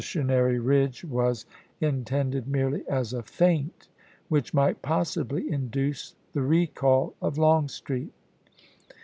sionary Ridge was intended merely as a feint which might possibly induce the recall of Long street.